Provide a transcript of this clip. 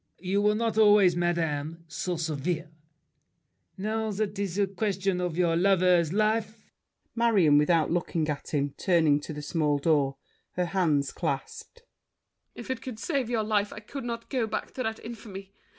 You were not always, madame, so severe! Now that 'tis question of your lover's life— MARION (without looking at him, turning to the small door, her hands clasped). If it would save your life, I could not go Back to that infamy.